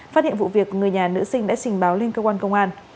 phát hiện vụ việc người nhà nữ sinh đã trình báo lên cơ quan công an